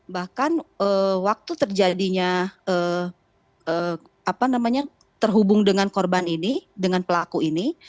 bahkan waktu terjadinya terhubung dengan korban ini dengan pelaku ini